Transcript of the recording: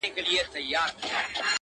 لار سوه ورکه له سپاهیانو غلامانو!